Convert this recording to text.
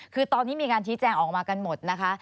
คือตอนนี้มีการชี้แจงออกมากันหมดนะคะ